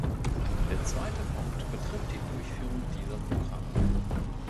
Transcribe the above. Der zweite Punkt betrifft die Durchführung dieser Programme.